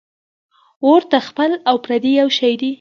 ـ اور ته خپل او پردي یو شی دی .